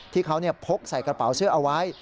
ที่เขาพกใส่กระเป๋าเสื้อเอาไว้